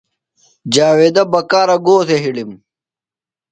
جاویدہ بکارہ گو تھے ہِڑم ؟